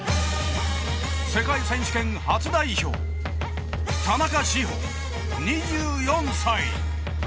世界選手権初代表田中志歩、２４歳。